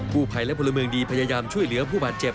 ผู้ภัยและพลเมืองดีพยายามช่วยเหลือผู้บาดเจ็บ